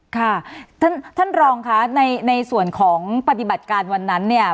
ค่ะท่านรองค่ะในส่วนของปฏิบัติการวันนั้นเนี่ย